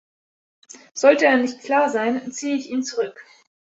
Sollte er nicht klar sein, ziehe ich ihn zurück.